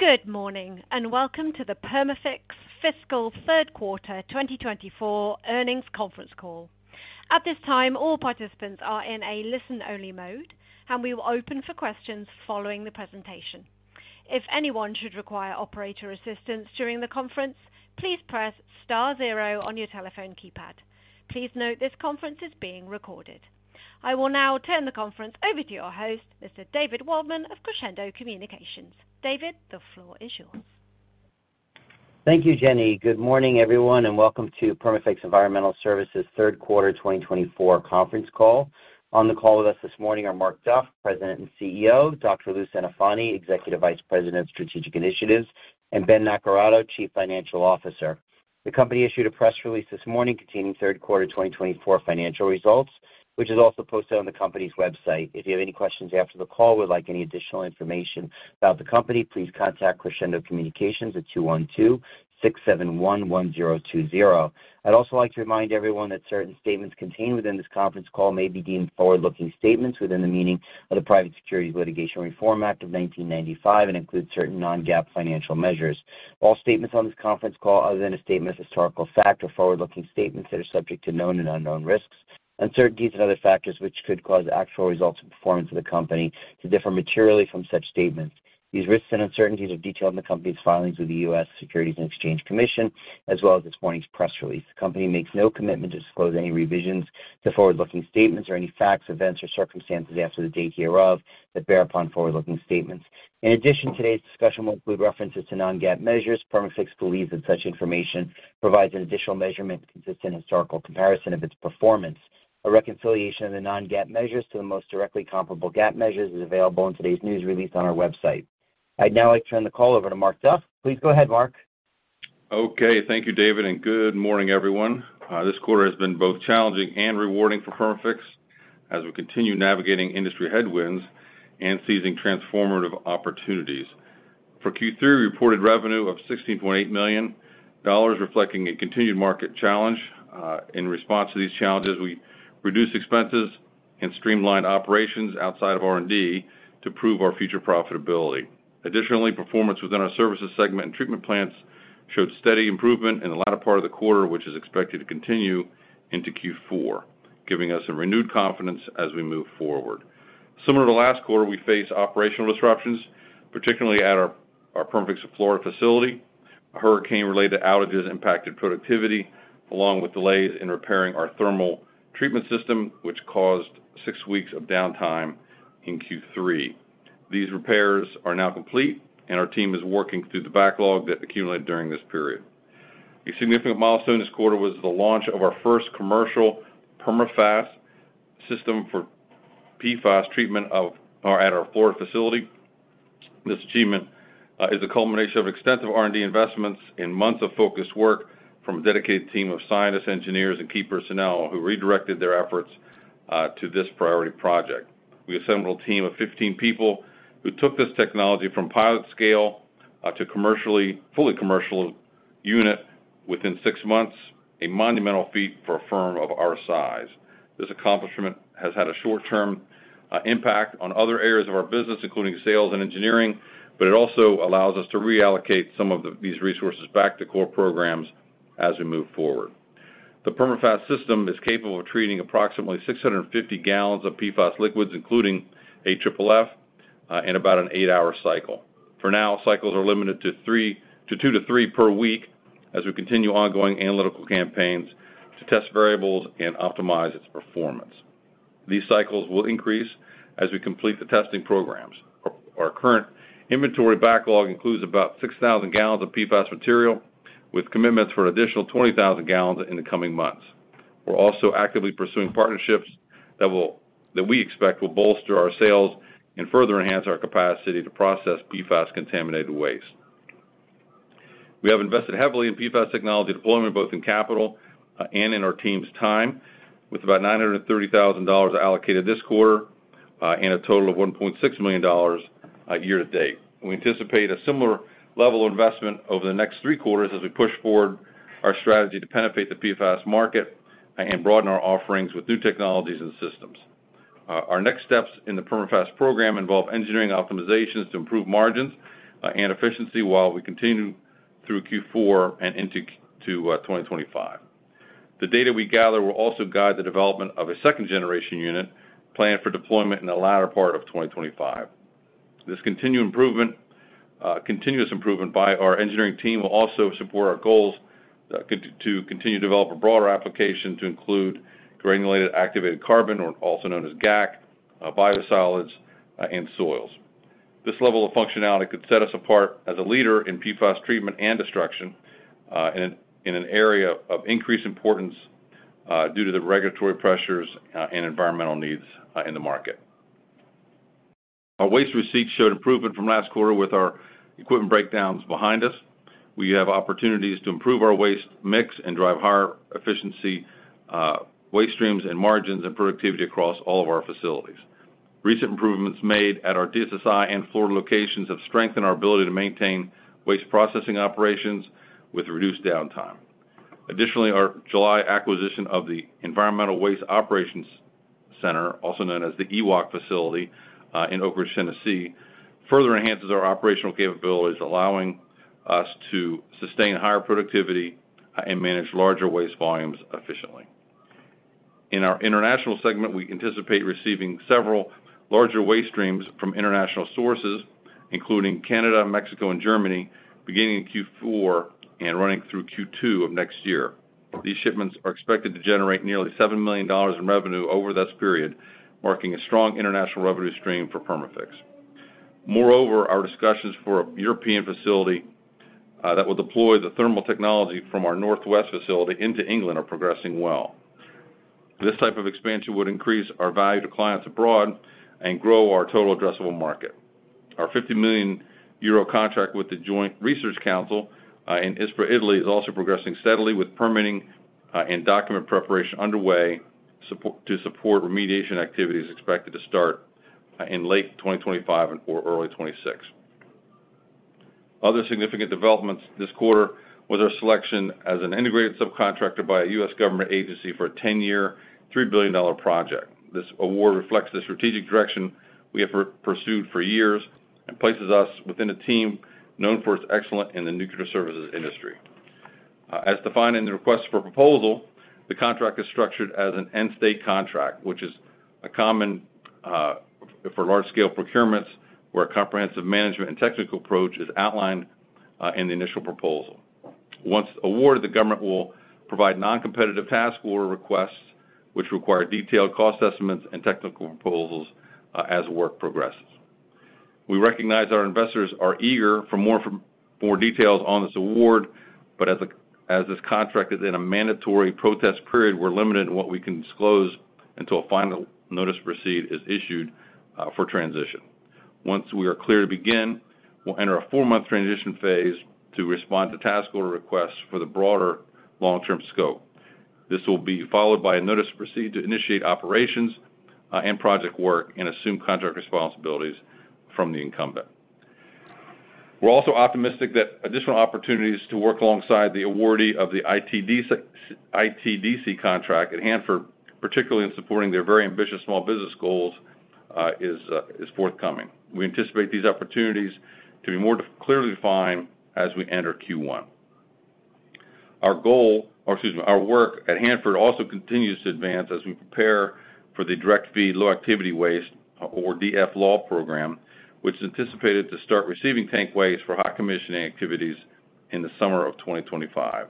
Good morning and welcome to the Perma-Fix Fiscal Third Quarter 2024 Earnings Conference Call. At this time, all participants are in a listen-only mode, and we will open for questions following the presentation. If anyone should require operator assistance during the conference, please press star zero on your telephone keypad. Please note this conference is being recorded. I will now turn the conference over to your host, Mr. David Waldman of Crescendo Communications. David, the floor is yours. Thank you, Jenny. Good morning, everyone, and welcome to Perma-Fix Environmental Services Third Quarter 2024 Conference Call. On the call with us this morning are Mark Duff, President and CEO, Dr. Louis Centofanti, Executive Vice President of Strategic Initiatives, and Ben Naccarato, Chief Financial Officer. The company issued a press release this morning containing Third Quarter 2024 financial results, which is also posted on the company's website. If you have any questions after the call or would like any additional information about the company, please contact Crescendo Communications at 212-671-1020. I'd also like to remind everyone that certain statements contained within this conference call may be deemed forward-looking statements within the meaning of the Private Securities Litigation Reform Act of 1995 and include certain non-GAAP financial measures. All statements on this conference call, other than a statement of historical fact or forward-looking statements, are subject to known and unknown risks, uncertainties, and other factors which could cause actual results and performance of the company to differ materially from such statements. These risks and uncertainties are detailed in the company's filings with the U.S. Securities and Exchange Commission, as well as this morning's press release. The company makes no commitment to disclose any revisions to forward-looking statements or any facts, events, or circumstances after the date hereof that bear upon forward-looking statements. In addition, today's discussion will include references to non-GAAP measures. Perma-Fix believes that such information provides an additional measurement consistent with historical comparison of its performance. A reconciliation of the non-GAAP measures to the most directly comparable GAAP measures is available in today's news release on our website. I'd now like to turn the call over to Mark Duff. Please go ahead, Mark. Okay. Thank you, David, and good morning, everyone. This quarter has been both challenging and rewarding for Perma-Fix as we continue navigating industry headwinds and seizing transformative opportunities. For Q3, we reported revenue of $16.8 million, reflecting a continued market challenge. In response to these challenges, we reduced expenses and streamlined operations outside of R&D to prove our future profitability. Additionally, performance within our services segment and treatment plants showed steady improvement in the latter part of the quarter, which is expected to continue into Q4, giving us some renewed confidence as we move forward. Similar to last quarter, we faced operational disruptions, particularly at our Perma-Fix of Florida facility. Hurricane-related outages impacted productivity, along with delays in repairing our thermal treatment system, which caused six weeks of downtime in Q3. These repairs are now complete, and our team is working through the backlog that accumulated during this period. A significant milestone this quarter was the launch of our first commercial Perma-FAS system for PFAS treatment at our Florida facility. This achievement is the culmination of extensive R&D investments and months of focused work from a dedicated team of scientists, engineers, and key personnel who redirected their efforts to this priority project. We assembled a team of 15 people who took this technology from pilot scale to a fully commercial unit within six months, a monumental feat for a firm of our size. This accomplishment has had a short-term impact on other areas of our business, including sales and engineering, but it also allows us to reallocate some of these resources back to core programs as we move forward. The Perma-FAS system is capable of treating approximately 650 gallons of PFAS liquids, including AFFF, in about an eight-hour cycle. For now, cycles are limited to two to three per week as we continue ongoing analytical campaigns to test variables and optimize its performance. These cycles will increase as we complete the testing programs. Our current inventory backlog includes about 6,000 gallons of PFAS material, with commitments for an additional 20,000 gallons in the coming months. We're also actively pursuing partnerships that we expect will bolster our sales and further enhance our capacity to process PFAS-contaminated waste. We have invested heavily in PFAS technology deployment, both in capital and in our team's time, with about $930,000 allocated this quarter and a total of $1.6 million year to date. We anticipate a similar level of investment over the next three quarters as we push forward our strategy to penetrate the PFAS market and broaden our offerings with new technologies and systems. Our next steps in the Perma-FAS program involve engineering optimizations to improve margins and efficiency while we continue through Q4 and into 2025. The data we gather will also guide the development of a second-generation unit planned for deployment in the latter part of 2025. This continuous improvement by our engineering team will also support our goals to continue to develop a broader application to include granular activated carbon, also known as GAC, bio-solids, and soils. This level of functionality could set us apart as a leader in PFAS treatment and destruction in an area of increased importance due to the regulatory pressures and environmental needs in the market. Our waste receipts showed improvement from last quarter with our equipment breakdowns behind us. We have opportunities to improve our waste mix and drive higher efficiency waste streams and margins and productivity across all of our facilities. Recent improvements made at our DSSI and Florida locations have strengthened our ability to maintain waste processing operations with reduced downtime. Additionally, our July acquisition of the Environmental Waste Operations Center, also known as the EWOC facility in Oak Ridge, Tennessee, further enhances our operational capabilities, allowing us to sustain higher productivity and manage larger waste volumes efficiently. In our international segment, we anticipate receiving several larger waste streams from international sources, including Canada, Mexico, and Germany, beginning in Q4 and running through Q2 of next year. These shipments are expected to generate nearly $7 million in revenue over this period, marking a strong international revenue stream for Perma-Fix. Moreover, our discussions for a European facility that will deploy the thermal technology from our northwest facility into England are progressing well. This type of expansion would increase our value to clients abroad and grow our total addressable market. Our 50 million euro contract with the Joint Research Centre in Ispra, Italy, is also progressing steadily, with permitting and document preparation underway to support remediation activities expected to start in late 2025 or early 2026. Other significant developments this quarter were our selection as an integrated subcontractor by a U.S. government agency for a 10-year, $3 billion project. This award reflects the strategic direction we have pursued for years and places us within a team known for its excellence in the nuclear services industry. As defined in the request for proposal, the contract is structured as an end-state contract, which is common for large-scale procurements where a comprehensive management and technical approach is outlined in the initial proposal. Once awarded, the government will provide non-competitive task order requests, which require detailed cost estimates and technical proposals as work progresses. We recognize our investors are eager for more details on this award, but as this contract is in a mandatory protest period, we're limited in what we can disclose until a final notice receipt is issued for transition. Once we are clear to begin, we'll enter a four-month transition phase to respond to task order requests for the broader long-term scope. This will be followed by a notice to proceed to initiate operations and project work and assume contract responsibilities from the incumbent. We're also optimistic that additional opportunities to work alongside the awardee of the ITDC contract at Hanford, particularly in supporting their very ambitious small business goals, is forthcoming. We anticipate these opportunities to be more clearly defined as we enter Q1. Our work at Hanford also continues to advance as we prepare for the Direct Feed Low-Activity Waste, or DFLAW, program, which is anticipated to start receiving tank waste for hot commissioning activities in the summer of 2025.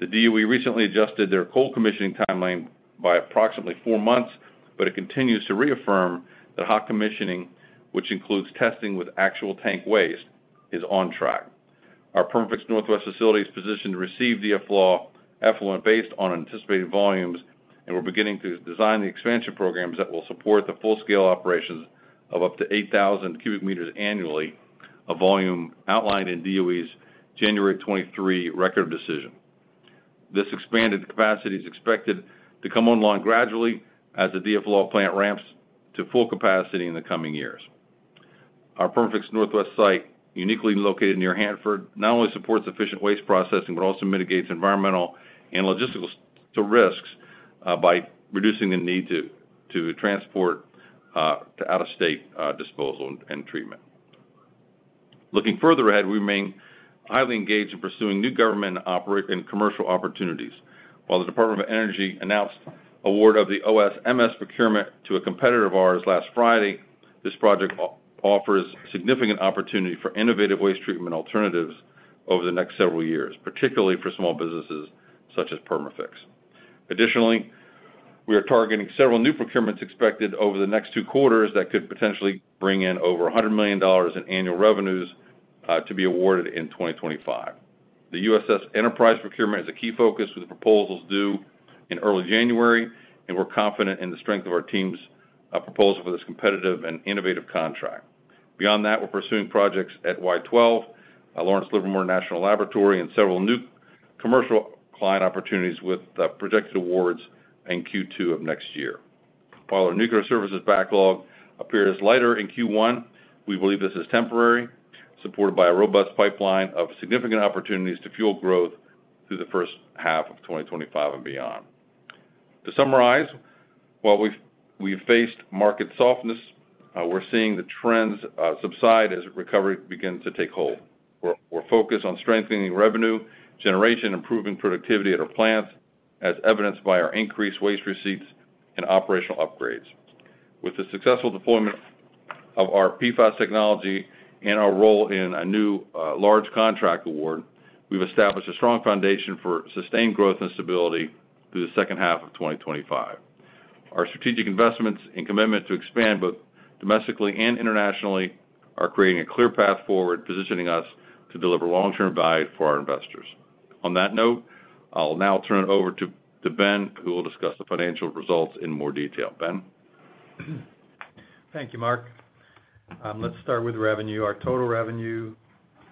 The DOE recently adjusted their cold commissioning timeline by approximately four months, but it continues to reaffirm that hot commissioning, which includes testing with actual tank waste, is on track. Our Perma-Fix Northwest facility is positioned to receive DFLAW effluent based on anticipated volumes and we're beginning to design the expansion programs that will support the full-scale operations of up to 8,000 cubic meters annually, a volume outlined in DOE's January 2023 Record of Decision. This expanded capacity is expected to come online gradually as the DFLAW plant ramps to full capacity in the coming years. Our Perma-Fix Northwest site, uniquely located near Hanford, not only supports efficient waste processing but also mitigates environmental and logistical risks by reducing the need to transport to out-of-state disposal and treatment. Looking further ahead, we remain highly engaged in pursuing new government and commercial opportunities. While the Department of Energy announced award of the OSMS procurement to a competitor of ours last Friday, this project offers significant opportunity for innovative waste treatment alternatives over the next several years, particularly for small businesses such as Perma-Fix. Additionally, we are targeting several new procurements expected over the next two quarters that could potentially bring in over $100 million in annual revenues to be awarded in 2025. The USS Enterprise procurement is a key focus with proposals due in early January, and we're confident in the strength of our team's proposal for this competitive and innovative contract. Beyond that, we're pursuing projects at Y-12, Lawrence Livermore National Laboratory, and several new commercial client opportunities with projected awards in Q2 of next year. While our nuclear services backlog appears lighter in Q1, we believe this is temporary, supported by a robust pipeline of significant opportunities to fuel growth through the first half of 2025 and beyond. To summarize, while we've faced market softness, we're seeing the trends subside as recovery begins to take hold. We're focused on strengthening revenue generation and improving productivity at our plants, as evidenced by our increased waste receipts and operational upgrades. With the successful deployment of our PFAS technology and our role in a new large contract award, we've established a strong foundation for sustained growth and stability through the second half of 2025. Our strategic investments and commitment to expand both domestically and internationally are creating a clear path forward, positioning us to deliver long-term value for our investors. On that note, I'll now turn it over to Ben, who will discuss the financial results in more detail. Ben. Thank you, Mark. Let's start with revenue. Our total revenue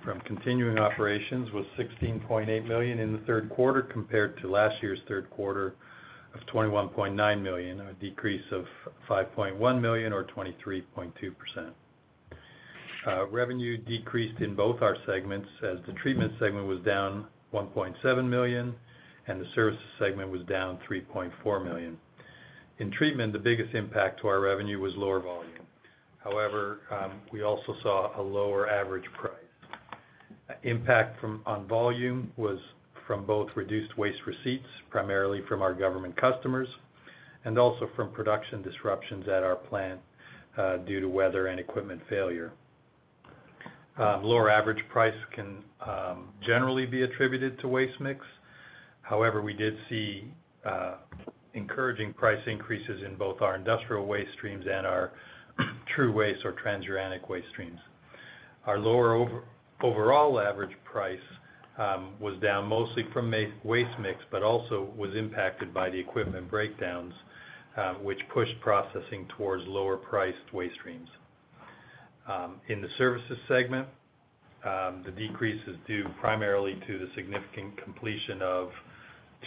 from continuing operations was $16.8 million in the third quarter compared to last year's third quarter of $21.9 million, a decrease of $5.1 million, or 23.2%. Revenue decreased in both our segments as the treatment segment was down $1.7 million and the services segment was down $3.4 million. In treatment, the biggest impact to our revenue was lower volume. However, we also saw a lower average price. Impact on volume was from both reduced waste receipts, primarily from our government customers, and also from production disruptions at our plant due to weather and equipment failure. Lower average price can generally be attributed to waste mix. However, we did see encouraging price increases in both our industrial waste streams and our TRU waste or transuranic waste streams. Our lower overall average price was down mostly from waste mix, but also was impacted by the equipment breakdowns, which pushed processing towards lower-priced waste streams. In the services segment, the decrease is due primarily to the significant completion of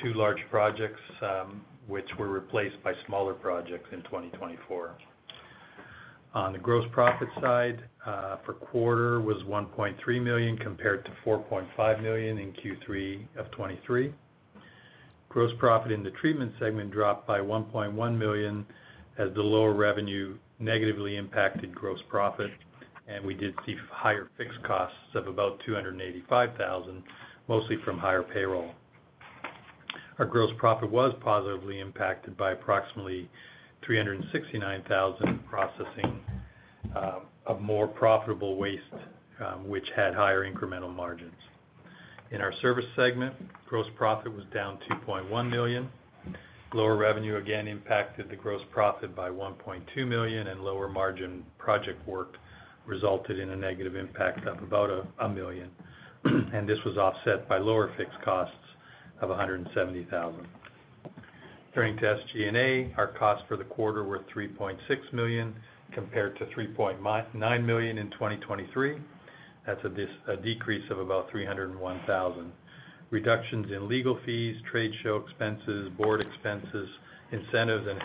two large projects, which were replaced by smaller projects in 2024. On the gross profit side, for quarter was $1.3 million compared to $4.5 million in Q3 of 2023. Gross profit in the treatment segment dropped by $1.1 million as the lower revenue negatively impacted gross profit, and we did see higher fixed costs of about $285,000, mostly from higher payroll. Our gross profit was positively impacted by approximately $369,000 processing of more profitable waste, which had higher incremental margins. In our service segment, gross profit was down $2.1 million. Lower revenue again impacted the gross profit by $1.2 million, and lower margin project work resulted in a negative impact of about $1 million, and this was offset by lower fixed costs of $170,000. Turning to SG&A, our costs for the quarter were $3.6 million compared to $3.9 million in 2023. That's a decrease of about $301,000. Reductions in legal fees, trade show expenses, board expenses, incentives, and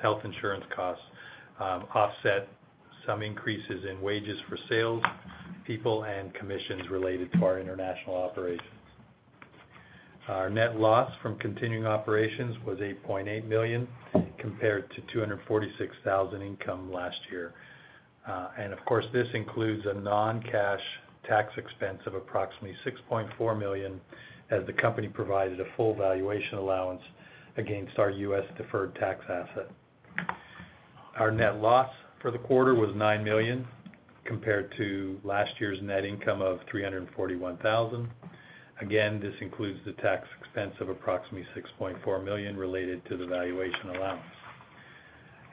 health insurance costs offset some increases in wages for salespeople and commissions related to our international operations. Our net loss from continuing operations was $8.8 million compared to $246,000 income last year, and of course, this includes a non-cash tax expense of approximately $6.4 million as the company provided a full valuation allowance against our U.S. deferred tax asset. Our net loss for the quarter was $9 million compared to last year's net income of $341,000. Again, this includes the tax expense of approximately $6.4 million related to the valuation allowance.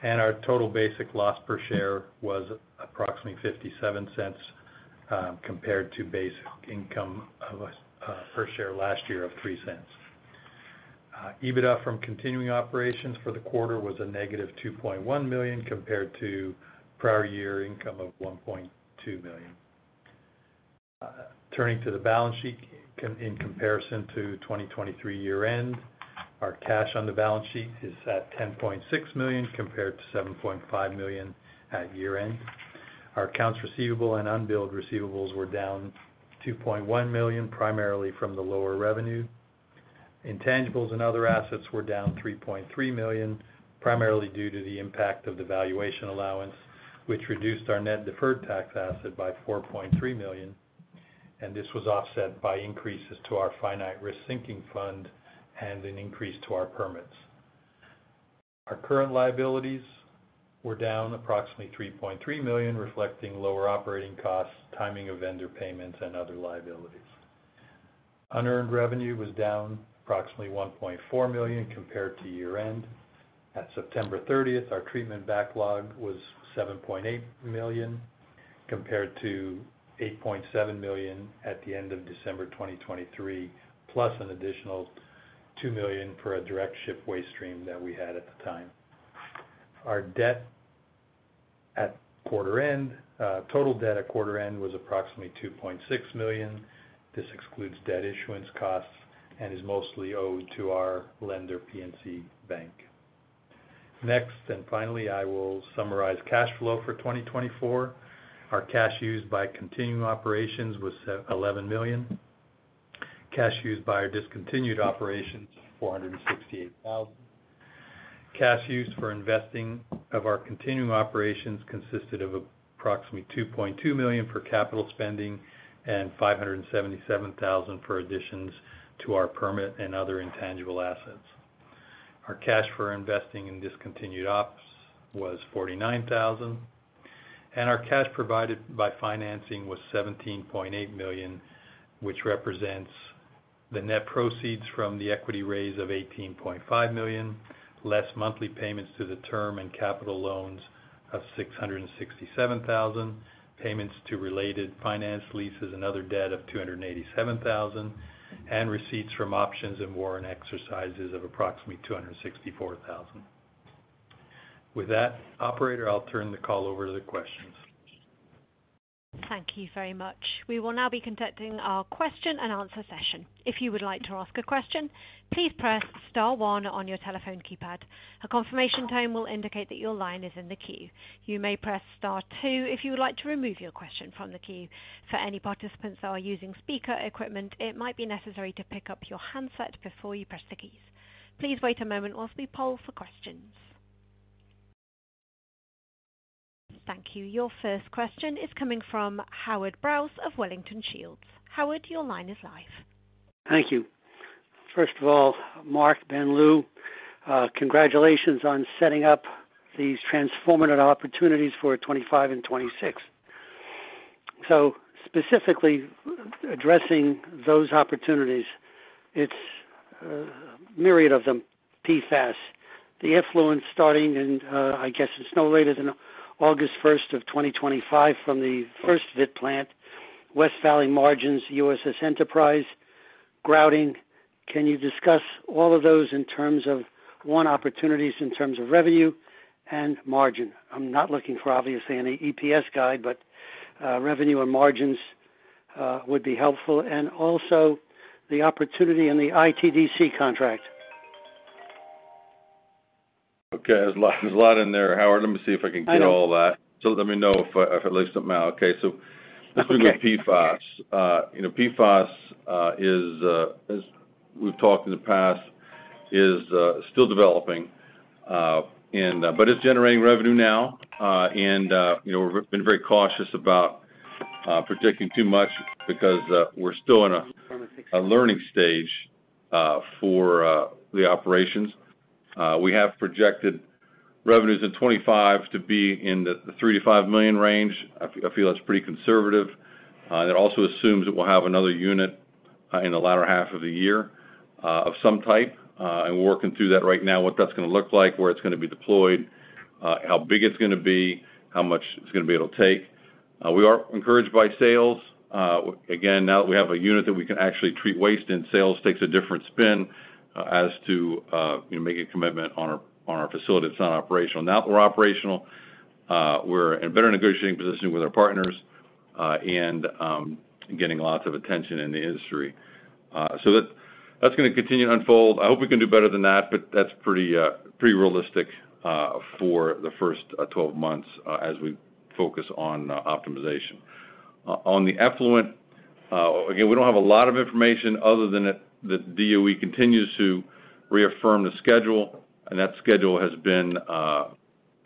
And our total basic loss per share was approximately $0.57 compared to basic income per share last year of $0.03. EBITDA from continuing operations for the quarter was a negative $2.1 million compared to prior year income of $1.2 million. Turning to the balance sheet in comparison to 2023 year-end, our cash on the balance sheet is at $10.6 million compared to $7.5 million at year-end. Our accounts receivable and unbilled receivables were down $2.1 million, primarily from the lower revenue. Intangibles and other assets were down $3.3 million, primarily due to the impact of the valuation allowance, which reduced our net deferred tax asset by $4.3 million, and this was offset by increases to our finite risk sinking fund and an increase to our permits. Our current liabilities were down approximately $3.3 million, reflecting lower operating costs, timing of vendor payments, and other liabilities. Unearned revenue was down approximately $1.4 million compared to year-end. At September 30th, our treatment backlog was $7.8 million compared to $8.7 million at the end of December 2023, plus an additional $2 million for a direct ship waste stream that we had at the time. Our debt at quarter-end, total debt at quarter-end was approximately $2.6 million. This excludes debt issuance costs and is mostly owed to our lender, PNC Bank. Next and finally, I will summarize cash flow for 2024. Our cash used by continuing operations was $11 million. Cash used by our discontinued operations was $468,000. Cash used for investing of our continuing operations consisted of approximately $2.2 million for capital spending and $577,000 for additions to our permit and other intangible assets. Our cash for investing in discontinued ops was $49,000, and our cash provided by financing was $17.8 million, which represents the net proceeds from the equity raise of $18.5 million, less monthly payments to the term and capital loans of $667,000, payments to related finance, leases, and other debt of $287,000, and receipts from options and warrant exercises of approximately $264,000. With that, Operator, I'll turn the call over to the questions. Thank you very much. We will now be conducting our question and answer session. If you would like to ask a question, please press star one on your telephone keypad. A confirmation tone will indicate that your line is in the queue. You may press star two if you would like to remove your question from the queue. For any participants that are using speaker equipment, it might be necessary to pick up your handset before you press the keys. Please wait a moment while we poll for questions. Thank you. Your first question is coming from Howard Brous of Wellington Shields. Howard, your line is live. Thank you. First of all, Mark, Ben, Lou, congratulations on setting up these transformative opportunities for 2025 and 2026. So specifically addressing those opportunities, it's a myriad of them, PFAS. The effluent starting, I guess it's no later than August 1st of 2025 from the first VIT plant, West Valley margins, USS Enterprise, Grouting. Can you discuss all of those in terms of those opportunities in terms of revenue and margin? I'm not looking for obviously any EPS guide, but revenue and margins would be helpful. And also the opportunity in the ITDC contract. Okay. There's a lot in there, Howard. Let me see if I can get all of that. So let me know if I leave something out. Okay. So let's do the PFAS. PFAS, as we've talked in the past, is still developing, but it's generating revenue now. And we've been very cautious about projecting too much because we're still in a learning stage for the operations. We have projected revenues in 2025 to be in the $3-$5 million range. I feel that's pretty conservative. It also assumes that we'll have another unit in the latter half of the year of some type. And we're working through that right now, what that's going to look like, where it's going to be deployed, how big it's going to be, how much it's going to be able to take. We are encouraged by sales. Again, now that we have a unit that we can actually treat waste in, sales takes a different spin as to making a commitment on our facility that's not operational. Now that we're operational, we're in a better negotiating position with our partners and getting lots of attention in the industry. So that's going to continue to unfold. I hope we can do better than that, but that's pretty realistic for the first 12 months as we focus on optimization. On the effluent, again, we don't have a lot of information other than that DOE continues to reaffirm the schedule, and that schedule has been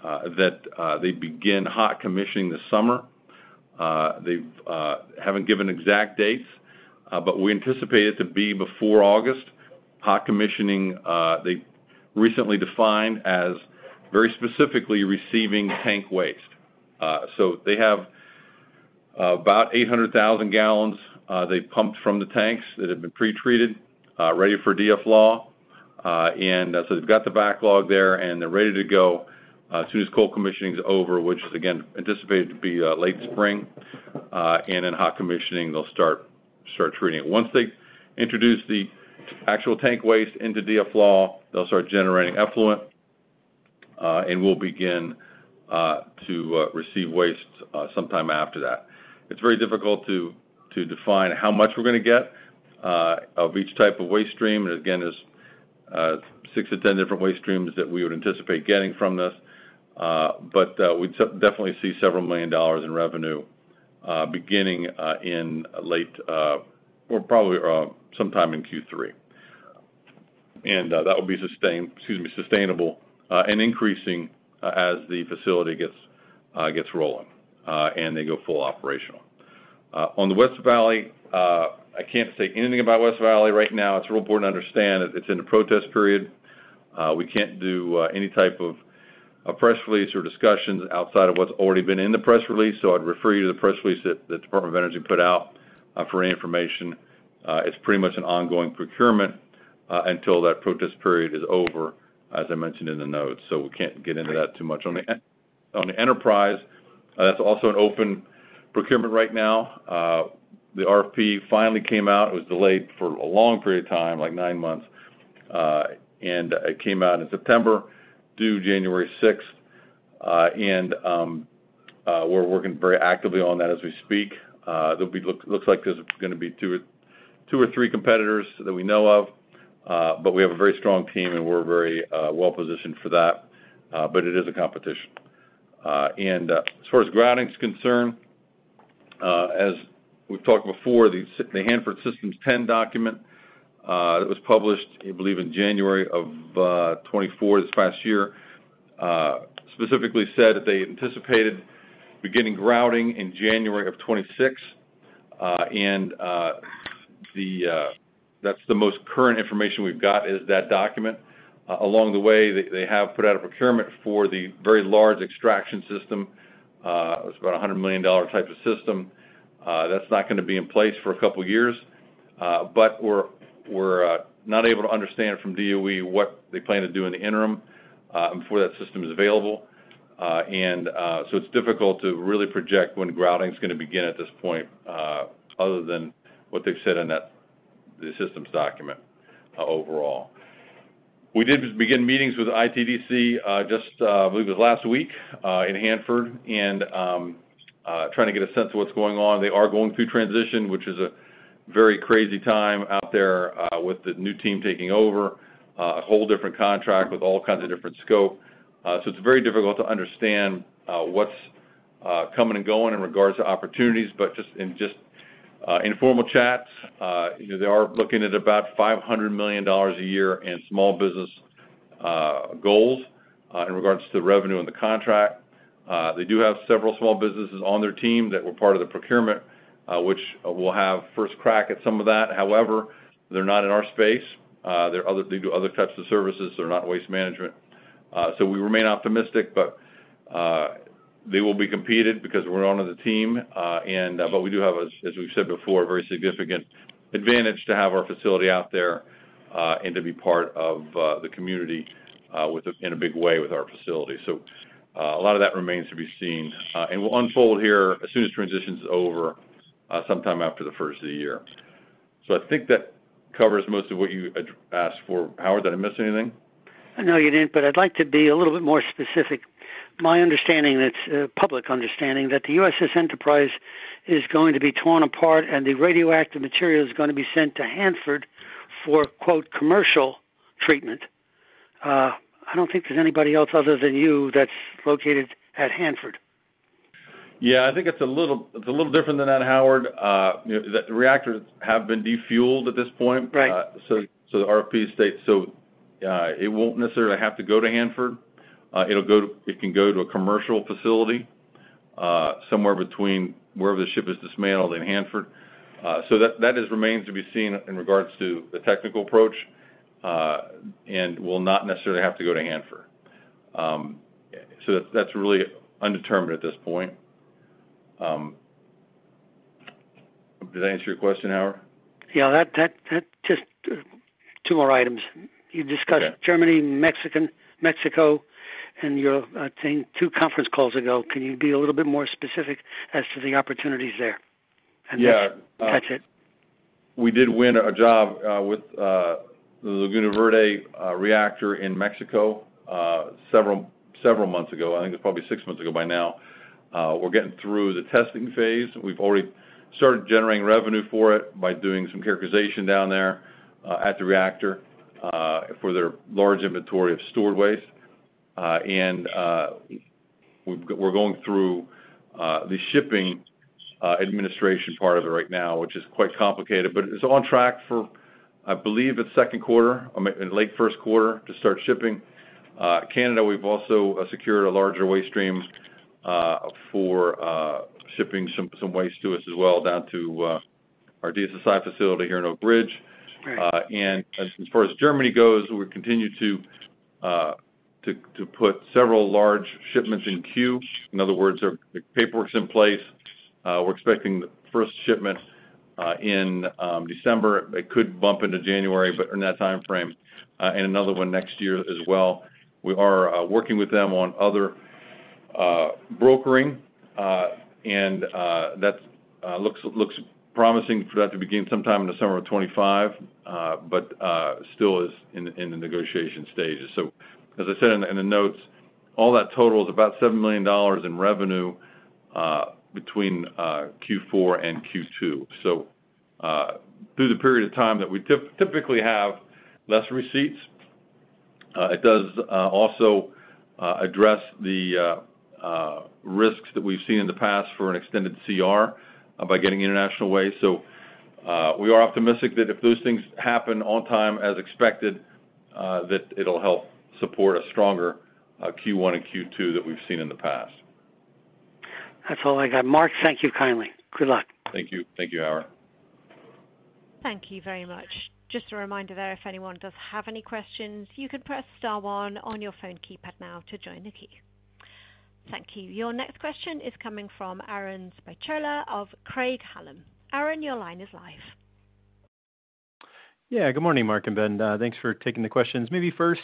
that they begin hot commissioning this summer. They haven't given exact dates, but we anticipate it to be before August. Hot commissioning, they recently defined as very specifically receiving tank waste. So they have about 800,000 gallons they pumped from the tanks that have been pretreated, ready for DFLAW. And so they've got the backlog there, and they're ready to go as soon as cold commissioning is over, which is again anticipated to be late spring. And in hot commissioning, they'll start treating it. Once they introduce the actual tank waste into DFLAW, they'll start generating effluent, and we'll begin to receive waste sometime after that. It's very difficult to define how much we're going to get of each type of waste stream. And again, there's six to 10 different waste streams that we would anticipate getting from this. But we'd definitely see several million dollars in revenue beginning in late or probably sometime in Q3. And that will be sustainable and increasing as the facility gets rolling and they go full operational. On the West Valley, I can't say anything about West Valley right now. It's real important to understand that it's in a protest period. We can't do any type of press release or discussions outside of what's already been in the press release. So I'd refer you to the press release that the Department of Energy put out for any information. It's pretty much an ongoing procurement until that protest period is over, as I mentioned in the notes. So we can't get into that too much. On the Enterprise, that's also an open procurement right now. The RFP finally came out. It was delayed for a long period of time, like nine months. And it came out in September, due January 6th. And we're working very actively on that as we speak. It looks like there's going to be two or three competitors that we know of, but we have a very strong team, and we're very well positioned for that. But it is a competition. And as far as grouting is concerned, as we've talked before, the Hanford System Plan 10 It's difficult to really project when grouting is going to begin at this point other than what they've said in the systems document overall. We did begin meetings with ITDC, I believe it was last week in Hanford, and trying to get a sense of what's going on. They are going through transition, which is a very crazy time out there with the new team taking over, a whole different contract with all kinds of different scope. It's very difficult to understand what's coming and going in regards to opportunities. Just in informal chats, they are looking at about $500 million a year in small business goals in regards to the revenue and the contract. They do have several small businesses on their team that were part of the procurement, which we'll have first crack at some of that. However, they're not in our space. They do other types of services. They're not waste management, so we remain optimistic, but they will be competed because we're on the team, but we do have, as we've said before, a very significant advantage to have our facility out there and to be part of the community in a big way with our facility, so a lot of that remains to be seen, and we'll unfold here as soon as transition's over sometime after the first of the year, so I think that covers most of what you asked for. Howard, did I miss anything? No, you didn't, but I'd like to be a little bit more specific. My understanding, it's public understanding that the USS Enterprise is going to be torn apart and the radioactive material is going to be sent to Hanford for "commercial treatment." I don't think there's anybody else other than you that's located at Hanford. Yeah, I think it's a little different than that, Howard. The reactors have been defueled at this point. So the RFP states so it won't necessarily have to go to Hanford. It can go to a commercial facility somewhere between wherever the ship is dismantled in Hanford. So that remains to be seen in regards to the technical approach and will not necessarily have to go to Hanford. So that's really undetermined at this point. Did I answer your question, Howard? Yeah, just two more items. You discussed Germany, Mexico, and your thing two conference calls ago. Can you be a little bit more specific as to the opportunities there? Yeah. That's it. We did win a job with the Laguna Verde reactor in Mexico several months ago. I think it's probably six months ago by now. We're getting through the testing phase. We've already started generating revenue for it by doing some characterization down there at the reactor for their large inventory of stored waste, and we're going through the shipping administration part of it right now, which is quite complicated, but it's on track for, I believe, the second quarter, late first quarter to start shipping. Canada, we've also secured a larger waste stream for shipping some waste to us as well down to our DSSI facility here in Oak Ridge, and as far as Germany goes, we continue to put several large shipments in queue. In other words, there are paperwork in place. We're expecting the first shipment in December. It could bump into January, but in that time frame. And another one next year as well. We are working with them on other brokering, and that looks promising for that to begin sometime in the summer of 2025, but still is in the negotiation stages. So as I said in the notes, all that total is about $7 million in revenue between Q4 and Q2. So through the period of time that we typically have less receipts, it does also address the risks that we've seen in the past for an extended CR by getting international waste. So we are optimistic that if those things happen on time as expected, that it'll help support a stronger Q1 and Q2 that we've seen in the past. That's all I got. Mark, thank you kindly. Good luck. Thank you. Thank you, Howard. Thank you very much. Just a reminder there, if anyone does have any questions, you can press star one on your phone keypad now to join the queue. Thank you. Your next question is coming from Aaron Spychala of Craig-Hallum. Aaron, your line is live. Yeah, good morning, Mark and Ben. Thanks for taking the questions. Maybe first,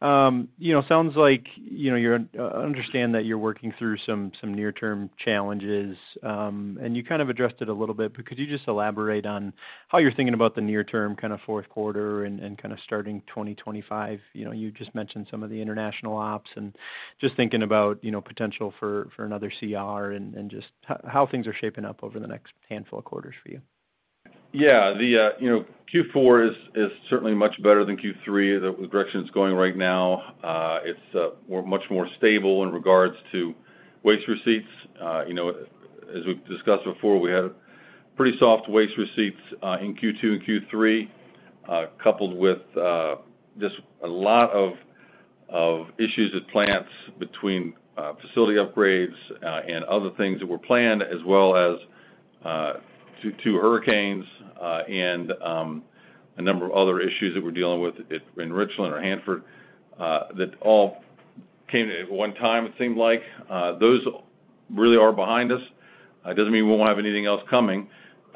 it sounds like you understand that you're working through some near-term challenges, and you kind of addressed it a little bit, but could you just elaborate on how you're thinking about the near-term kind of fourth quarter and kind of starting 2025? You just mentioned some of the international ops and just thinking about potential for another CR and just how things are shaping up over the next handful of quarters for you? Yeah. Q4 is certainly much better than Q3, the direction it's going right now. It's much more stable in regards to waste receipts. As we've discussed before, we had pretty soft waste receipts in Q2 and Q3, coupled with just a lot of issues with plants between facility upgrades and other things that were planned, as well as two hurricanes and a number of other issues that we're dealing with in Richland or Hanford that all came at one time, it seemed like. Those really are behind us. It doesn't mean we won't have anything else coming,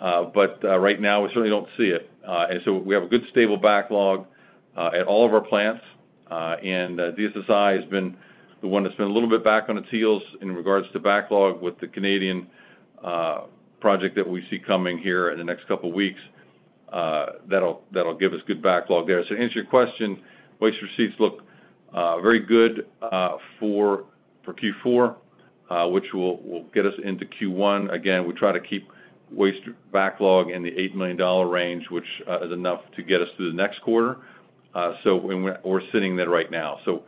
and so we have a good stable backlog at all of our plants. DSSI has been the one that's been a little bit back on its heels in regards to backlog with the Canadian project that we see coming here in the next couple of weeks. That'll give us good backlog there. So to answer your question, waste receipts look very good for Q4, which will get us into Q1. Again, we try to keep waste backlog in the $8 million range, which is enough to get us through the next quarter. So we're sitting there right now. So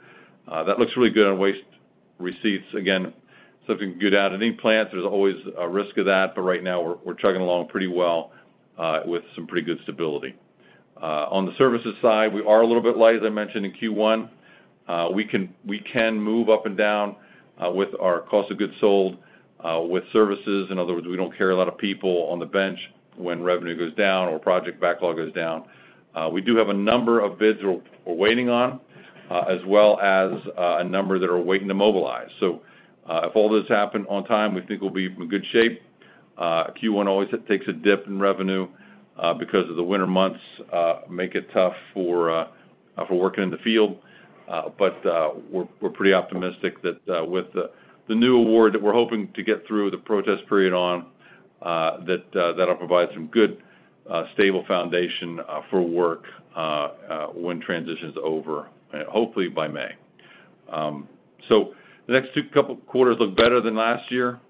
that looks really good on waste receipts. Again, something good out of any plant. There's always a risk of that, but right now, we're chugging along pretty well with some pretty good stability. On the services side, we are a little bit light, as I mentioned, in Q1. We can move up and down with our cost of goods sold with services. In other words, we don't carry a lot of people on the bench when revenue goes down or project backlog goes down. We do have a number of bids we're waiting on, as well as a number that are waiting to mobilize. So if all this happened on time, we think we'll be in good shape. Q1 always takes a dip in revenue because of the winter months make it tough for working in the field. But we're pretty optimistic that with the new award that we're hoping to get through the protest period on, that'll provide some good stable foundation for work when transition's over, hopefully by May. So the next couple of quarters look better than last year.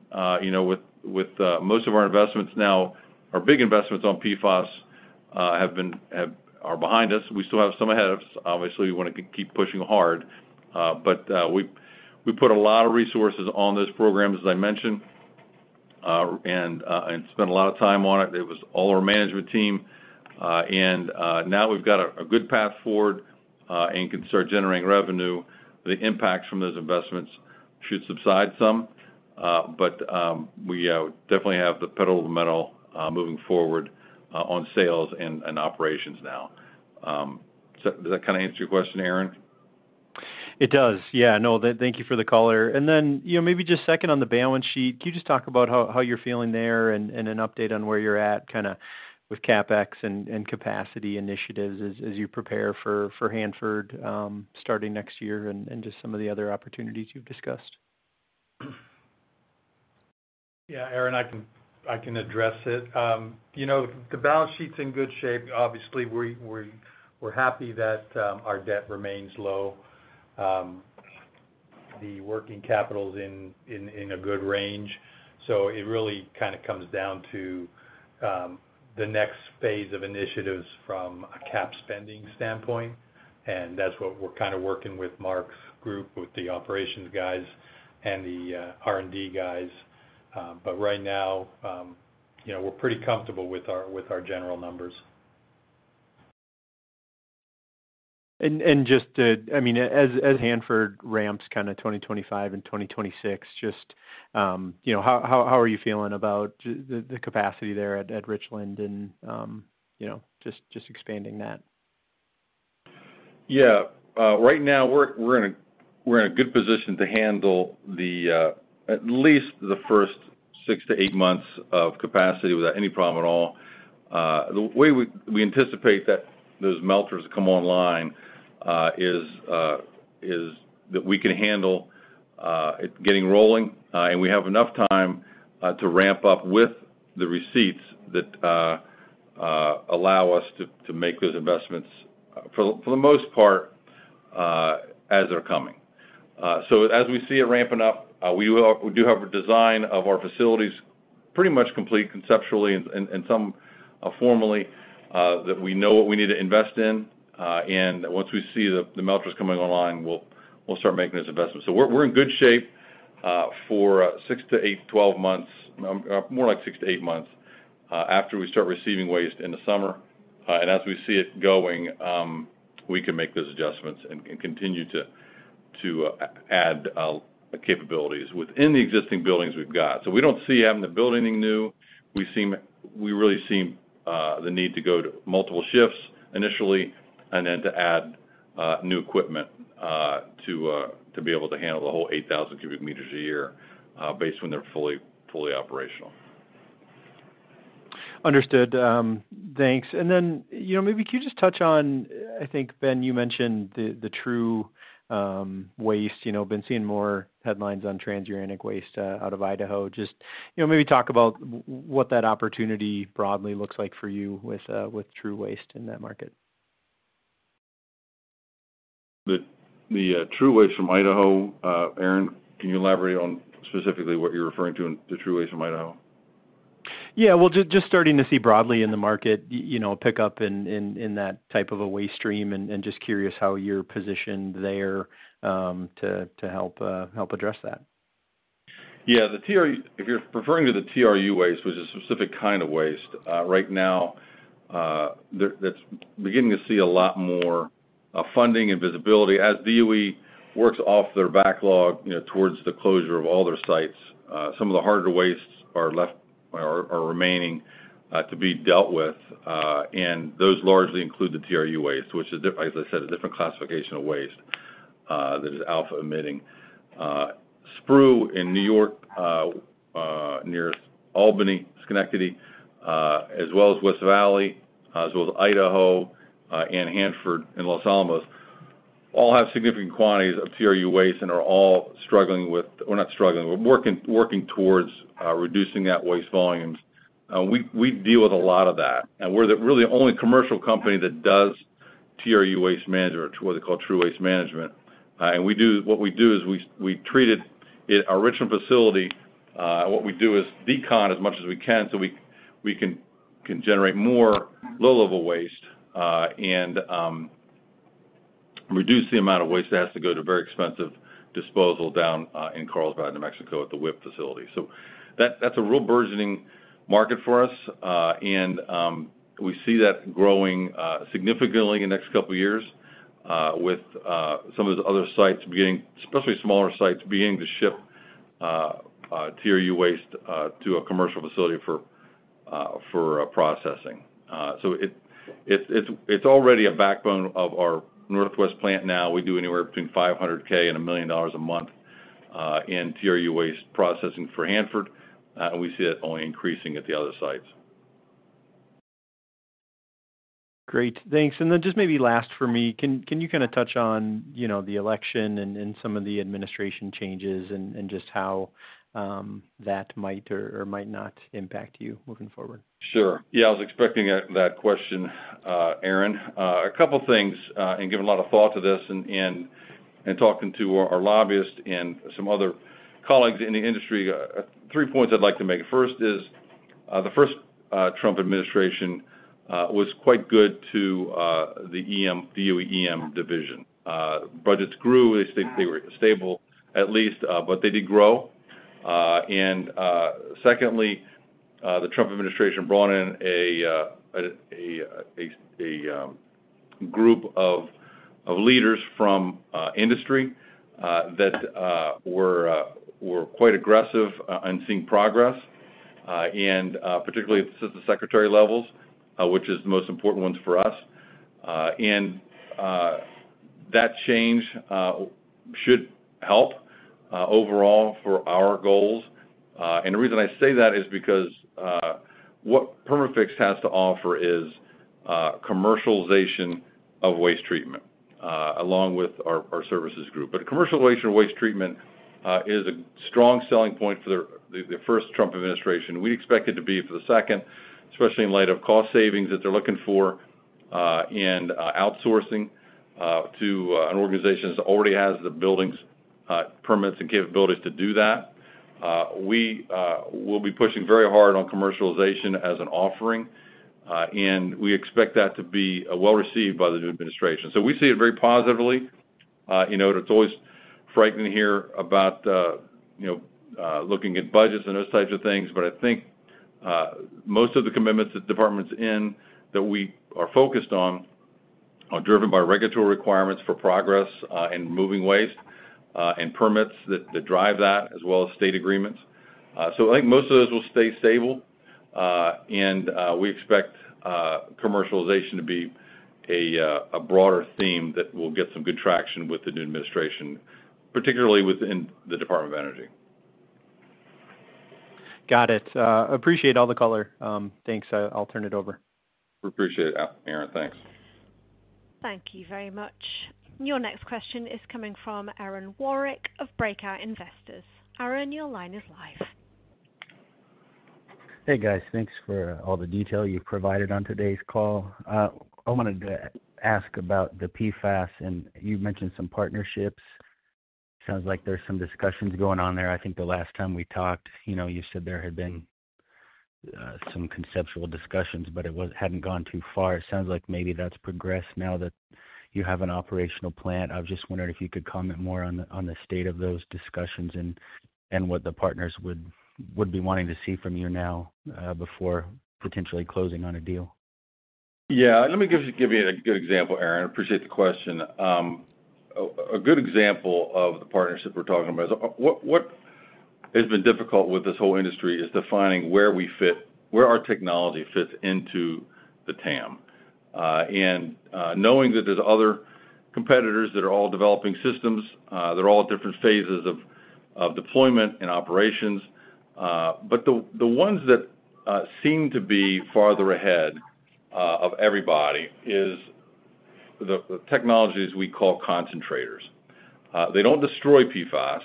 With most of our investments now, our big investments on PFAS are behind us. We still have some ahead of us. Obviously, we want to keep pushing hard. But we put a lot of resources on those programs, as I mentioned, and spent a lot of time on it. It was all our management team. And now we've got a good path forward and can start generating revenue. The impact from those investments should subside some. But we definitely have the pedal to the metal moving forward on sales and operations now. Does that kind of answer your question, Aaron? It does. Yeah. No, thank you for the call, Aaron. And then maybe just second on the balance sheet, can you just talk about how you're feeling there and an update on where you're at kind of with CapEx and capacity initiatives as you prepare for Hanford starting next year and just some of the other opportunities you've discussed? Yeah, Aaron, I can address it. The balance sheet's in good shape. Obviously, we're happy that our debt remains low. The working capital's in a good range. So it really kind of comes down to the next phase of initiatives from a CapEx spending standpoint. And that's what we're kind of working with Mark's group, with the operations guys and the R&D guys. But right now, we're pretty comfortable with our general numbers. Just, I mean, as Hanford ramps kind of 2025 and 2026, just how are you feeling about the capacity there at Richland and just expanding that? Yeah. Right now, we're in a good position to handle at least the first six to eight months of capacity without any problem at all. The way we anticipate that those melters come online is that we can handle it getting rolling. And we have enough time to ramp up with the receipts that allow us to make those investments for the most part as they're coming. So as we see it ramping up, we do have a design of our facilities pretty much complete conceptually and some formally that we know what we need to invest in. And once we see the melters coming online, we'll start making those investments. So we're in good shape for six to eight, 12 months, more like six to eight months after we start receiving waste in the summer. And as we see it going, we can make those adjustments and continue to add capabilities within the existing buildings we've got. So we don't see having to build anything new. We really see the need to go to multiple shifts initially and then to add new equipment to be able to handle the whole 8,000 cubic meters a year based when they're fully operational. Understood. Thanks. And then maybe can you just touch on, I think, Ben, you mentioned the TRU waste. Been seeing more headlines on transuranic waste out of Idaho. Just maybe talk about what that opportunity broadly looks like for you with TRU waste in that market. The TRU waste from Idaho, Aaron, can you elaborate on specifically what you're referring to in the TRU waste from Idaho? Yeah. Well, just starting to see broadly in the market, pick up in that type of a waste stream and just curious how you're positioned there to help address that. Yeah. If you're referring to the TRU waste, which is a specific kind of waste, right now, that's beginning to see a lot more funding and visibility as DOE works off their backlog towards the closure of all their sites. Some of the harder wastes are remaining to be dealt with. And those largely include the TRU waste, which is, as I said, a different classification of waste that is alpha-emitting. SPRU in New York near Albany, Schenectady, as well as West Valley, as well as Idaho and Hanford and Los Alamos, all have significant quantities of TRU waste and are all struggling with, or not struggling, but working towards reducing that waste volumes. We deal with a lot of that. And we're really the only commercial company that does TRU waste management, what they call TRU waste management. And what we do is we treated our Richland facility. What we do is decon as much as we can so we can generate more low-level waste and reduce the amount of waste that has to go to very expensive disposal down in Carlsbad, New Mexico, at the WIPP facility. So that's a real burgeoning market for us. And we see that growing significantly in the next couple of years with some of those other sites, especially smaller sites, beginning to ship TRU waste to a commercial facility for processing. So it's already a backbone of our Northwest plant now. We do anywhere between $500,000 and $1 million a month in TRU waste processing for Hanford. And we see it only increasing at the other sites. Great. Thanks. And then just maybe last for me, can you kind of touch on the election and some of the administration changes and just how that might or might not impact you moving forward? Sure. Yeah. I was expecting that question, Aaron. A couple of things and giving a lot of thought to this and talking to our lobbyist and some other colleagues in the industry, three points I'd like to make. First is the first Trump administration was quite good to the DOE EM division. Budgets grew. They stayed stable, at least, but they did grow, and secondly, the Trump administration brought in a group of leaders from industry that were quite aggressive in seeing progress, and particularly at the assistant secretary levels, which is the most important ones for us, and that change should help overall for our goals. And the reason I say that is because what Perma-Fix has to offer is commercialization of waste treatment along with our services group, but commercialization of waste treatment is a strong selling point for the first Trump administration. We expect it to be for the second, especially in light of cost savings that they're looking for and outsourcing to an organization that already has the buildings, permits, and capabilities to do that. We will be pushing very hard on commercialization as an offering, and we expect that to be well received by the new administration, so we see it very positively. It's always frightening here about looking at budgets and those types of things, but I think most of the commitments that the department's in that we are focused on are driven by regulatory requirements for progress and moving waste and permits that drive that, as well as state agreements, so I think most of those will stay stable, and we expect commercialization to be a broader theme that will get some good traction with the new administration, particularly within the Department of Energy. Got it. Appreciate all the color. Thanks. I'll turn it over. Appreciate it, Aaron. Thanks. Thank you very much. Your next question is coming from Aaron Warwick of Breakout Investors. Aaron, your line is live. Hey, guys. Thanks for all the detail you've provided on today's call. I wanted to ask about the PFAS. And you mentioned some partnerships. Sounds like there's some discussions going on there. I think the last time we talked, you said there had been some conceptual discussions, but it hadn't gone too far. It sounds like maybe that's progressed now that you have an operational plant. I was just wondering if you could comment more on the state of those discussions and what the partners would be wanting to see from you now before potentially closing on a deal? Yeah. Let me give you a good example, Aaron. Appreciate the question. A good example of the partnership we're talking about is what has been difficult with this whole industry is defining where our technology fits into the TAM, and knowing that there's other competitors that are all developing systems, they're all at different phases of deployment and operations, but the ones that seem to be farther ahead of everybody are the technologies we call concentrators. They don't destroy PFAS,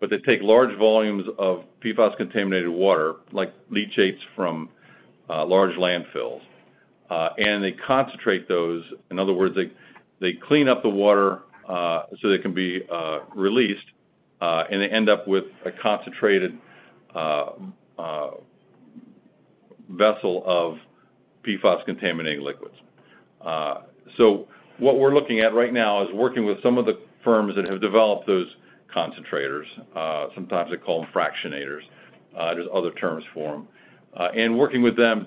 but they take large volumes of PFAS-contaminated water, like leachates from large landfills, and they concentrate those. In other words, they clean up the water so they can be released, and they end up with a concentrated vessel of PFAS-contaminated liquids, so what we're looking at right now is working with some of the firms that have developed those concentrators. Sometimes they call them fractionators. There's other terms for them. Working with them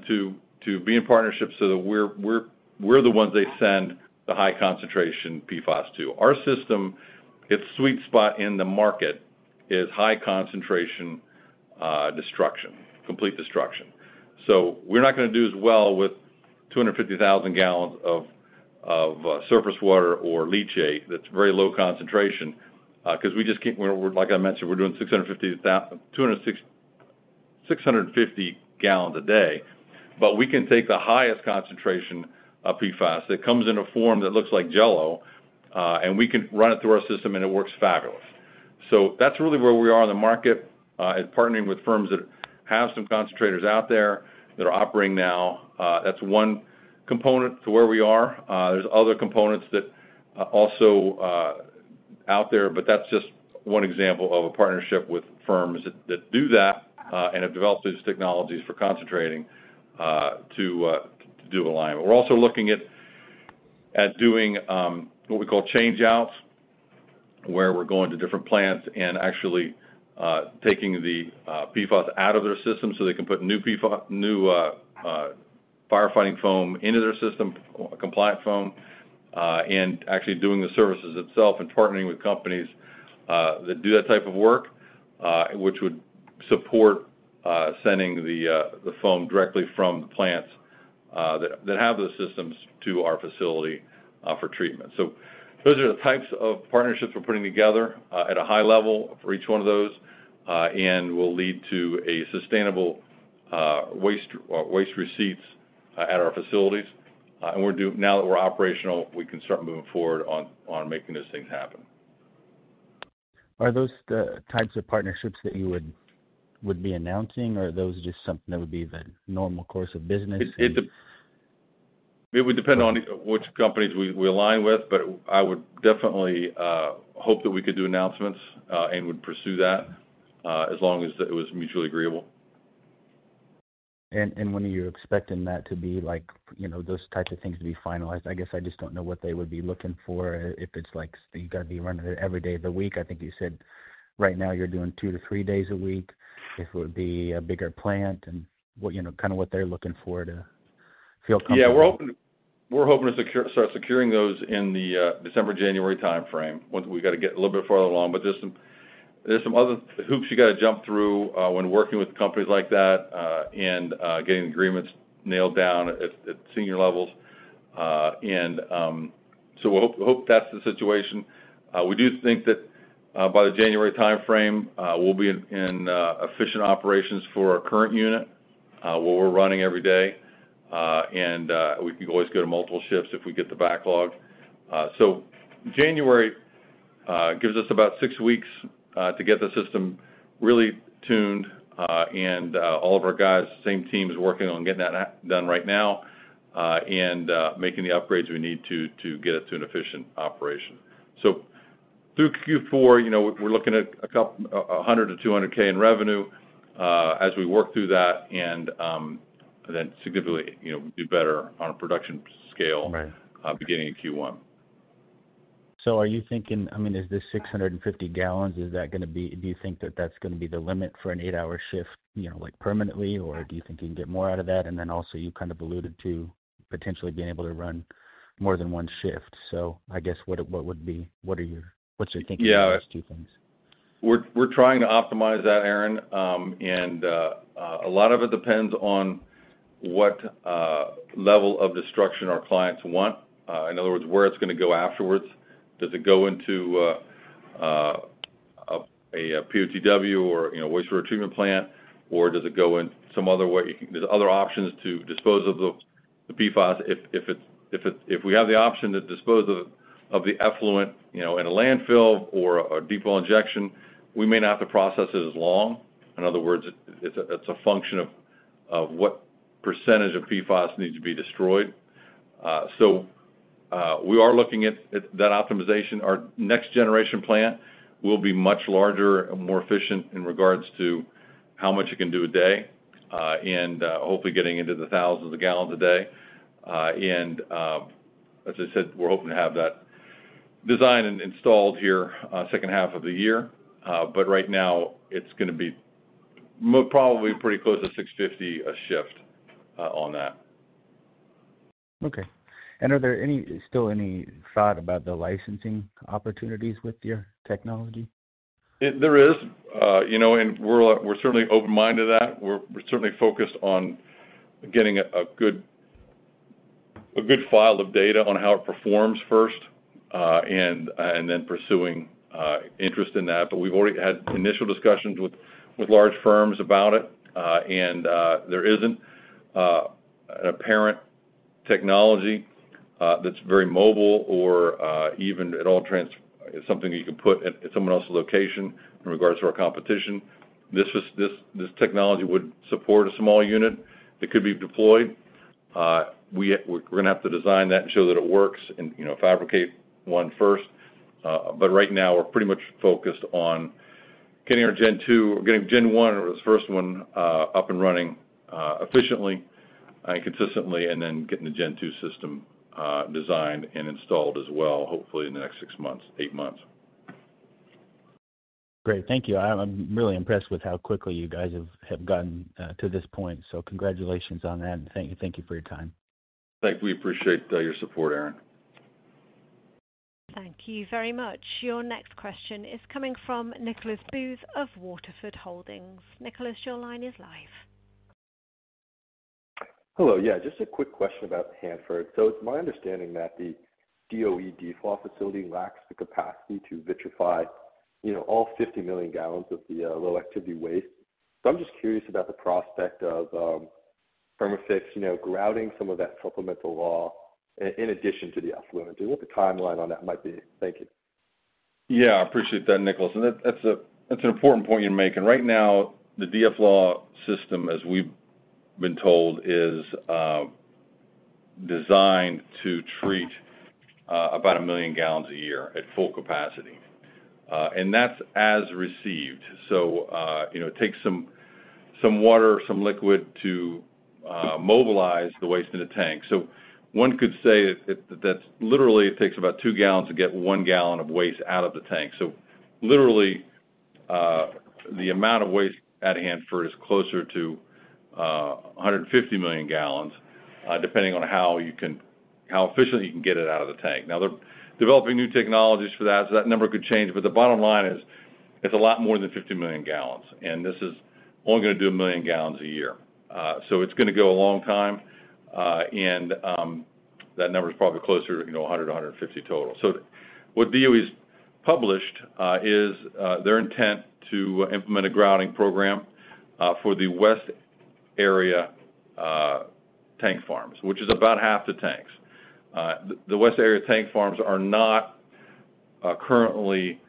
to be in partnership so that we're the ones they send the high-concentration PFAS to. Our system, its sweet spot in the market is high-concentration destruction, complete destruction. So we're not going to do as well with 250,000 gallons of surface water or leachate that's very low concentration because we just can't, like I mentioned, we're doing 650 gallons a day. But we can take the highest concentration of PFAS that comes in a form that looks like Jell-O. And we can run it through our system, and it works fabulous. So that's really where we are in the market, partnering with firms that have some concentrators out there that are operating now. That's one component to where we are. There's other components that are also out there. But that's just one example of a partnership with firms that do that and have developed these technologies for concentrating to do alignment. We're also looking at doing what we call changeouts, where we're going to different plants and actually taking the PFAS out of their system so they can put new firefighting foam into their system, a compliant foam, and actually doing the services itself and partnering with companies that do that type of work, which would support sending the foam directly from the plants that have those systems to our facility for treatment. So those are the types of partnerships we're putting together at a high level for each one of those and will lead to sustainable waste receipts at our facilities. And now that we're operational, we can start moving forward on making those things happen. Are those the types of partnerships that you would be announcing, or are those just something that would be the normal course of business? It would depend on which companies we align with, but I would definitely hope that we could do announcements and would pursue that as long as it was mutually agreeable. When are you expecting that to be like those types of things to be finalized? I guess I just don't know what they would be looking for if it's like you got to be running it every day of the week. I think you said right now you're doing two to three days a week if it would be a bigger plant and kind of what they're looking for to feel comfortable. Yeah. We're hoping to start securing those in the December, January timeframe. We got to get a little bit further along. But there's some other hoops you got to jump through when working with companies like that and getting agreements nailed down at senior levels. And so we hope that's the situation. We do think that by the January timeframe, we'll be in efficient operations for our current unit where we're running every day. And we can always go to multiple shifts if we get the backlog. So January gives us about six weeks to get the system really tuned. And all of our guys, same team, is working on getting that done right now and making the upgrades we need to get it to an efficient operation. Through Q4, we're looking at $100K-$200K in revenue as we work through that and then significantly do better on a production scale beginning in Q1. So are you thinking, I mean, is this 650 gallons? Is that going to be, do you think that that's going to be the limit for an eight-hour shift permanently, or do you think you can get more out of that? And then also you kind of alluded to potentially being able to run more than one shift. So I guess what would be, what's your thinking on those two things? Yeah. We're trying to optimize that, Aaron. And a lot of it depends on what level of destruction our clients want. In other words, where it's going to go afterwards. Does it go into a POTW or wastewater treatment plant, or does it go in some other way? There's other options to dispose of the PFAS. If we have the option to dispose of the effluent in a landfill or a deep well injection, we may not have to process it as long. In other words, it's a function of what percentage of PFAS needs to be destroyed. So we are looking at that optimization. Our next-generation plant will be much larger and more efficient in regards to how much it can do a day and hopefully getting into the thousands of gallons a day. As I said, we're hoping to have that designed and installed here second half of the year, but right now, it's going to be probably pretty close to 650 a shift on that. Okay. And are there still any thought about the licensing opportunities with your technology? There is. And we're certainly open-minded to that. We're certainly focused on getting a good file of data on how it performs first and then pursuing interest in that. But we've already had initial discussions with large firms about it. And there isn't an apparent technology that's very mobile or even at all something you can put at someone else's location in regards to our competition. This technology would support a small unit that could be deployed. We're going to have to design that and show that it works and fabricate one first. But right now, we're pretty much focused on getting our Gen 2 or getting Gen 1, or the first one, up and running efficiently and consistently, and then getting the Gen 2 system designed and installed as well, hopefully in the next six months, eight months. Great. Thank you. I'm really impressed with how quickly you guys have gotten to this point, so congratulations on that, and thank you for your time. Thank you. We appreciate your support, Aaron. Thank you very much. Your next question is coming from Nicholas Booth of Waterford Holdings. Nicholas, your line is live. Hello. Yeah. Just a quick question about Hanford. So it's my understanding that the DOE DFLAW facility lacks the capacity to vitrify all 50 million gallons of the low-activity waste. So I'm just curious about the prospect of Perma-Fix grouting some of that supplemental LAW in addition to the effluent. And what the timeline on that might be? Thank you. Yeah. I appreciate that, Nicholas. And that's an important point you're making. Right now, the DFLAW system, as we've been told, is designed to treat about a million gallons a year at full capacity. And that's as received. So it takes some water, some liquid to mobilize the waste in the tank. So one could say that literally it takes about two gallons to get one gallon of waste out of the tank. So literally, the amount of waste at Hanford is closer to 150 million gallons, depending on how efficiently you can get it out of the tank. Now, they're developing new technologies for that. So that number could change. But the bottom line is it's a lot more than 50 million gallons. And this is only going to do a million gallons a year. So it's going to go a long time. That number is probably closer to 100, 150 total. What DOE has published is their intent to implement a grouting program for the West Area Tank Farms, which is about half the tanks. The West Area Tank Farms are not currently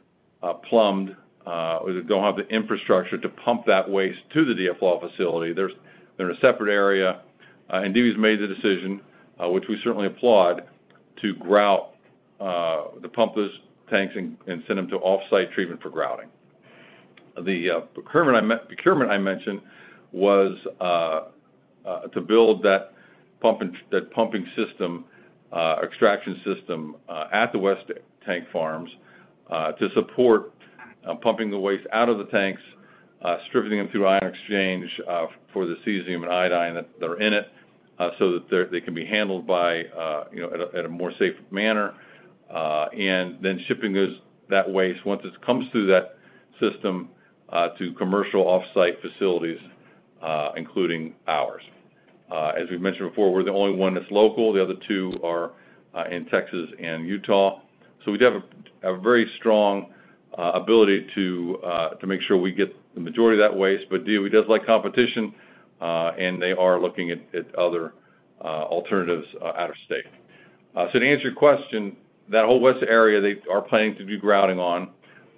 plumbed or don't have the infrastructure to pump that waste to the DFLAW facility. They are in a separate area. DOE has made the decision, which we certainly applaud, to grout the pumpable tanks and send them to off-site treatment for grouting. The procurement I mentioned was to build that pumping system, extraction system at the West Tank Farms to support pumping the waste out of the tanks, stripping them through ion exchange for the cesium and iodine that are in it so that they can be handled in a more safe manner. And then shipping that waste once it comes through that system to commercial off-site facilities, including ours. As we mentioned before, we're the only one that's local. The other two are in Texas and Utah. So we do have a very strong ability to make sure we get the majority of that waste. But DOE does like competition. And they are looking at other alternatives out of state. So to answer your question, that whole West area, they are planning to do grouting on.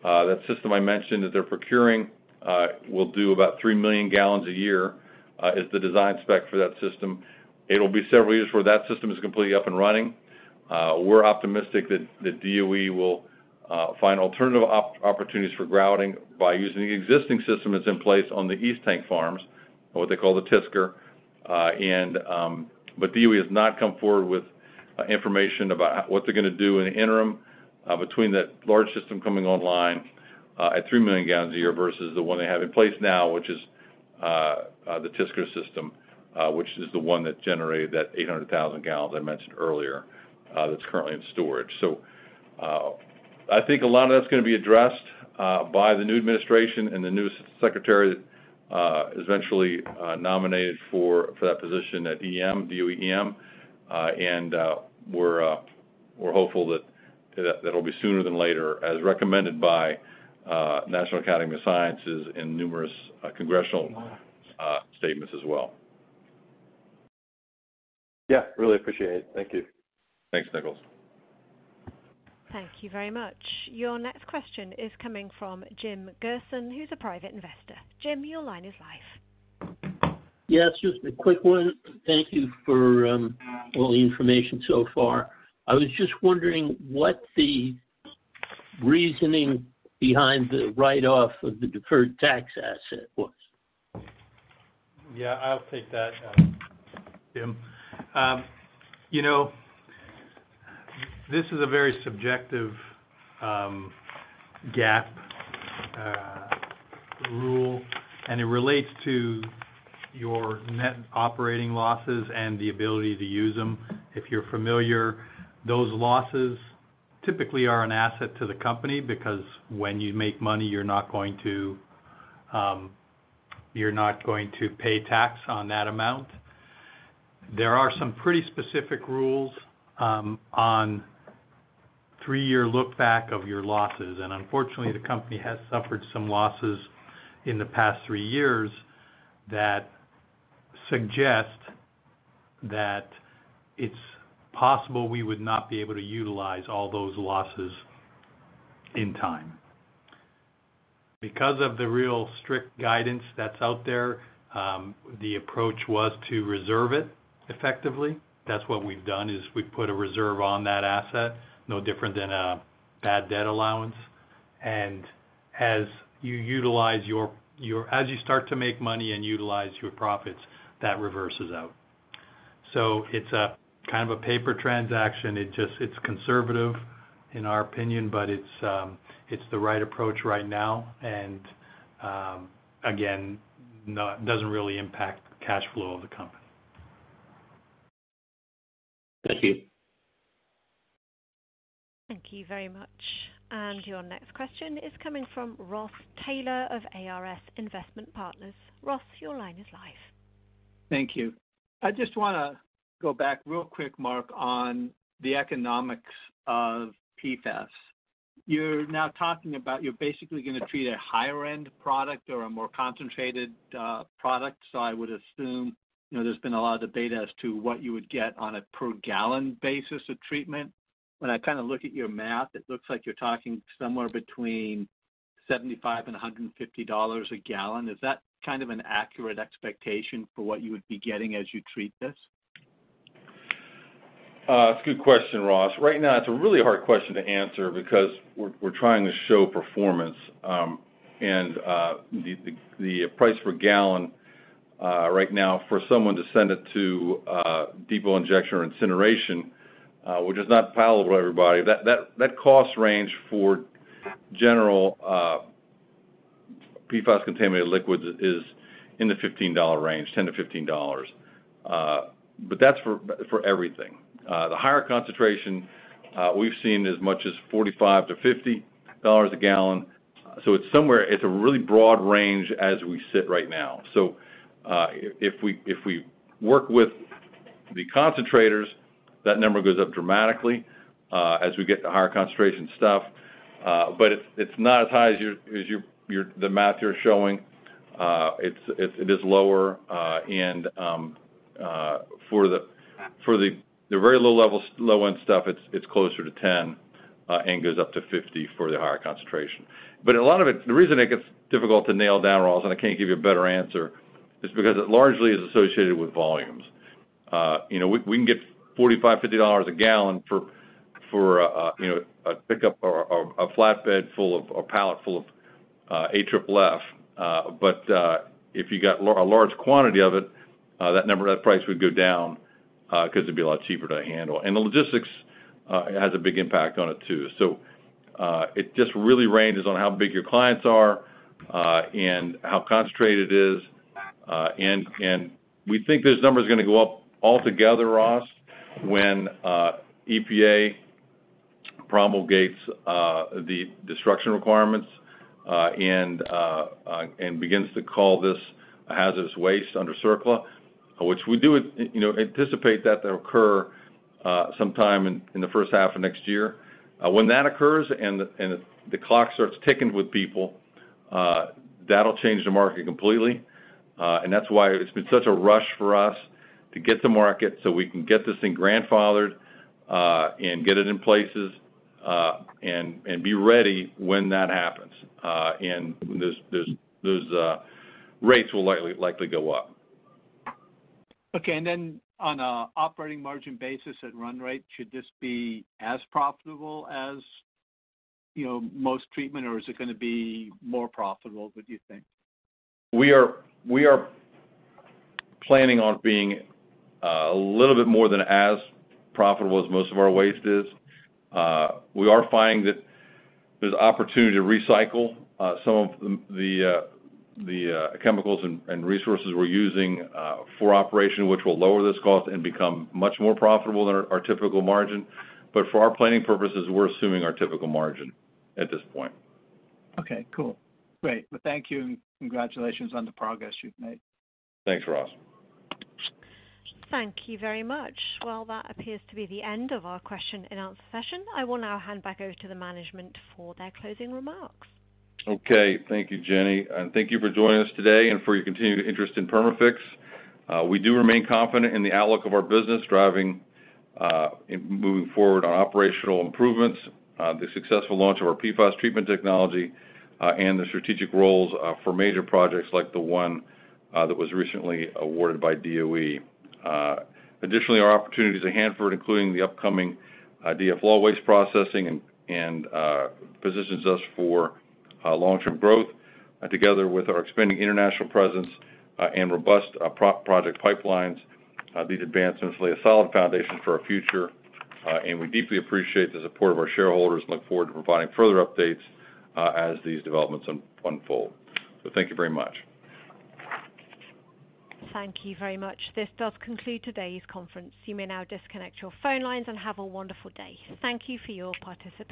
That system I mentioned that they're procuring will do about three million gallons a year, is the design spec for that system. It'll be several years before that system is completely up and running. We're optimistic that DOE will find alternative opportunities for grouting by using the existing system that's in place on the East Tank Farms, what they call the TSCR. But DOE has not come forward with information about what they're going to do in the interim between that large system coming online at three million gallons a year versus the one they have in place now, which is the TSCR system, which is the one that generated that 800,000 gallons I mentioned earlier that's currently in storage. So I think a lot of that's going to be addressed by the new administration and the new secretary eventually nominated for that position at DOE EM. And we're hopeful that it'll be sooner than later as recommended by the National Academy of Sciences in numerous congressional statements as well. Yeah. Really appreciate it. Thank you. Thanks, Nicholas. Thank you very much. Your next question is coming from Jim Gerson, who's a private investor. Jim, your line is live. Yeah. It's just a quick one. Thank you for all the information so far. I was just wondering what the reasoning behind the write-off of the deferred tax asset was? Yeah. I'll take that, Jim. This is a very subjective GAAP rule, and it relates to your net operating losses and the ability to use them. If you're familiar, those losses typically are an asset to the company because when you make money, you're not going to pay tax on that amount. There are some pretty specific rules on three-year look-back of your losses, and unfortunately, the company has suffered some losses in the past three years that suggest that it's possible we would not be able to utilize all those losses in time. Because of the real strict guidance that's out there, the approach was to reserve it effectively. That's what we've done is we've put a reserve on that asset, no different than a bad debt allowance, and as you start to make money and utilize your profits, that reverses out. So it's kind of a paper transaction. It's conservative, in our opinion, but it's the right approach right now. And again, it doesn't really impact the cash flow of the company. Thank you. Thank you very much. And your next question is coming from Ross Taylor of ARS Investment Partners. Ross, your line is live. Thank you. I just want to go back real quick, Mark, on the economics of PFAS. You're now talking about you're basically going to treat a higher-end product or a more concentrated product. So I would assume there's been a lot of debate as to what you would get on a per-gallon basis of treatment. When I kind of look at your math, it looks like you're talking somewhere between $75 and $150 a gallon. Is that kind of an accurate expectation for what you would be getting as you treat this? That's a good question, Ross. Right now, it's a really hard question to answer because we're trying to show performance. The price per gallon right now for someone to send it to deep well injection or incineration, which is not palatable to everybody, that cost range for general PFAS-contaminated liquids is in the $15 range, $10-$15. But that's for everything. The higher concentration, we've seen as much as $45-$50 a gallon. So it's a really broad range as we sit right now. If we work with the concentrators, that number goes up dramatically as we get the higher concentration stuff. But it's not as high as the math you're showing. It is lower. For the very low-level, low-end stuff, it's closer to $10 and goes up to $50 for the higher concentration. But a lot of it, the reason it gets difficult to nail down, Ross, and I can't give you a better answer, is because it largely is associated with volumes. We can get $45-$50 a gallon for a pickup or a pallet full of AFFF. But if you got a large quantity of it, that price would go down because it'd be a lot cheaper to handle. And the logistics has a big impact on it too. So it just really ranges on how big your clients are and how concentrated it is. And we think those numbers are going to go up altogether, Ross, when EPA promulgates the destruction requirements and begins to call this hazardous waste under CERCLA, which we do anticipate that to occur sometime in the first half of next year. When that occurs and the clock starts ticking with people, that'll change the market completely. And that's why it's been such a rush for us to get to market so we can get this thing grandfathered and get it in places and be ready when that happens. And those rates will likely go up. Okay. And then on an operating margin basis at run rate, should this be as profitable as most treatment, or is it going to be more profitable, would you think? We are planning on being a little bit more profitable than most of our waste is. We are finding that there's opportunity to recycle some of the chemicals and resources we're using for operation, which will lower this cost and become much more profitable than our typical margin. But for our planning purposes, we're assuming our typical margin at this point. Okay. Cool. Great. Well, thank you and congratulations on the progress you've made. Thanks, Ross. Thank you very much. Well, that appears to be the end of our question-and-answer session. I will now hand back over to the management for their closing remarks. Okay. Thank you, Jenny, and thank you for joining us today and for your continued interest in Perma-Fix. We do remain confident in the outlook of our business, moving forward on operational improvements, the successful launch of our PFAS treatment technology, and the strategic roles for major projects like the one that was recently awarded by DOE. Additionally, our opportunities at Hanford, including the upcoming DFLAW waste processing, positions us for long-term growth. Together with our expanding international presence and robust project pipelines, these advancements lay a solid foundation for our future, and we deeply appreciate the support of our shareholders and look forward to providing further updates as these developments unfold, so thank you very much. Thank you very much. This does conclude today's conference. You may now disconnect your phone lines and have a wonderful day. Thank you for your participation.